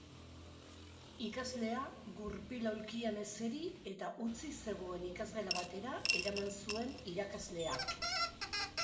Ikaslea gurpil-aulkian eseri eta hutsik zegoen ikasgela batera eraman zuen irakasleak.